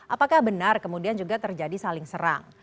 apakah benar kemudian juga terjadi saling serang